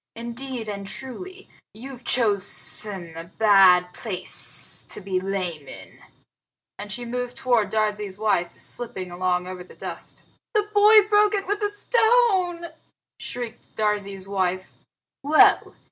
Indeed and truly, you've chosen a bad place to be lame in." And she moved toward Darzee's wife, slipping along over the dust. "The boy broke it with a stone!" shrieked Darzee's wife. "Well!